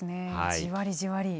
じわりじわり。